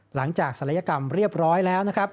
หลังจากศัลยกรรมเรียบร้อยแล้ว